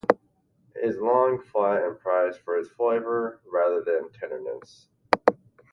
It is long, flat, and prized for its flavor rather than tenderness.